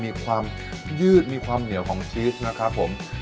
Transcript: มีความยืดมีความเหนียวของชีสนะครับผม